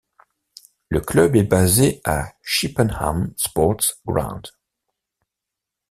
Le club est basé à Chippenham Sports Ground.